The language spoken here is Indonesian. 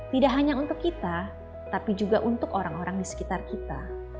tidak hanya untuk kita tapi juga untuk orang orang di sekitar kita